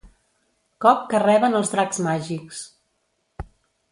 Cop que reben els dracs màgics.